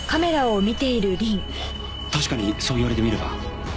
確かにそう言われてみれば。